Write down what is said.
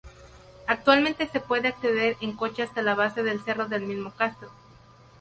Actualmente se puede acceder en coche hasta la base del cerro del mismo castro.